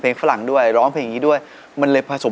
เพราะว่าเพราะว่าเพราะว่าเพราะ